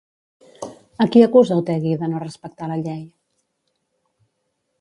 A qui acusa Otegi de no respectar la llei?